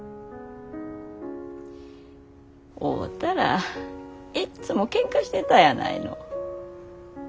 会うたらいっつもケンカしてたやないの。